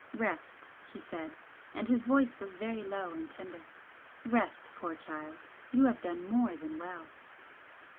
"Rest!" he said, and his voice was very low and tender. "Rest, poor child! You have done more than well!"